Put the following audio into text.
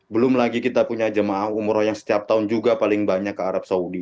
belum lagi kita punya jemaah umroh yang setiap tahun juga paling banyak ke arab saudi